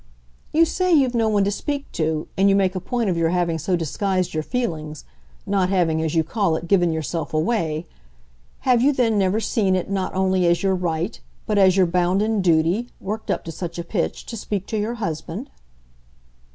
"You say you've no one to speak to, and you make a point of your having so disguised your feelings not having, as you call it, given yourself away. Have you then never seen it not only as your right, but as your bounden duty, worked up to such a pitch, to speak to your husband?"